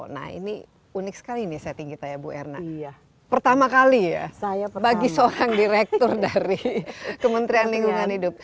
nah ini unik sekali ini setting kita ya bu erna pertama kali ya bagi seorang direktur dari kementerian lingkungan hidup